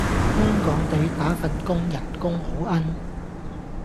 香港地，打份工人工好奀